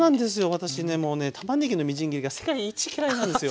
私ねもうねたまねぎのみじん切りが世界一嫌いなんですよ。